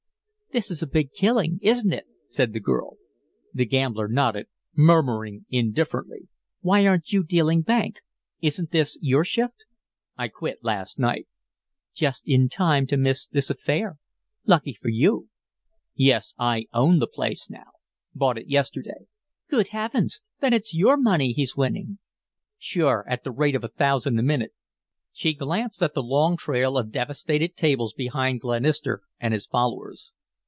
"This is a big killing, isn't it?" said the girl. The gambler nodded, murmuring indifferently. "Why aren't you dealing bank? Isn't this your shift?" "I quit last night." "Just in time to miss this affair. Lucky for you." "Yes; I own the place now. Bought it yesterday." "Good Heavens! Then it's YOUR money he's winning." "Sure, at the rate of a thousand a minute." She glanced at the long trail of devastated tables behind Glenister and his followers.